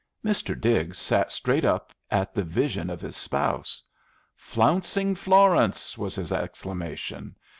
Mr. Diggs sat straight up at the vision of his spouse. "Flouncing Florence!" was his exclamation.